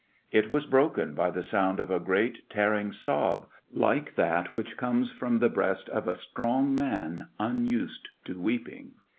It was broken by the sound of a great, tear ing sob like that which comes from the breast of a strong man unused to weeping.